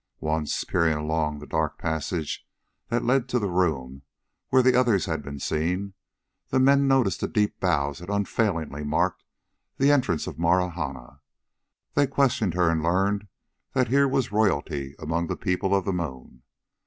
Once, peering along the dark passage that led to the room where the others had been seen, the men noticed the deep bows that unfailingly marked the entrance of Marahna. They questioned her and learned that here was royalty among the people of the moon.